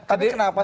tapi kenapa sih